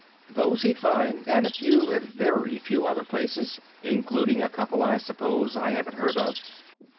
Those he'd find and a few, a very few other places, including a couple I suppose I haven't heard of.